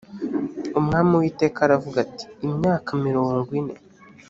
umwami uwiteka aravuga ati imyaka mirongo ine